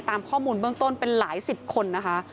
ตามข้อมูลเบื้องต้นเป็นหลายสิบคนนะคะ